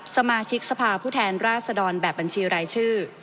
สมาชิกสภาพผู้แทนราชดรแบบบัญชีรายชื่อ